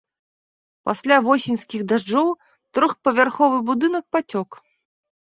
Пасля восеньскіх дажджоў трохпавярховы будынак пацёк.